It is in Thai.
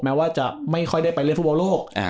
แม้ว่าจะไม่ค่อยได้ไปเล่นฟุตบอลโลก